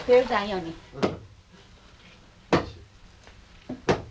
うん？